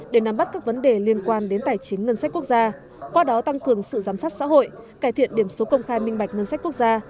để nắm bắt các vấn đề liên quan đến tài chính ngân sách quốc gia qua đó tăng cường sự giám sát xã hội cải thiện điểm số công khai minh bạch ngân sách quốc gia